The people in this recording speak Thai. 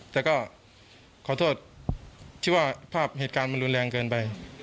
แต่ก็ขอโทษที่ว่าภาพเหตุการณ์มันรุนแรงเกินไป